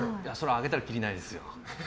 挙げたらきりがないですよ。